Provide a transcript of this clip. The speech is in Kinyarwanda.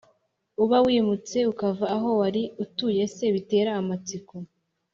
uba wimutse ukava aho wari utuye Ese bitera amatsiko